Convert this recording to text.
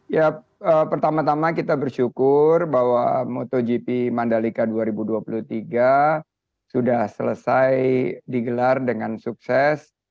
ya pertama tama kita bersyukur bahwa motogp mandalika dua ribu dua puluh tiga sudah selesai digelar dengan sukses